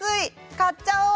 買っちゃおう！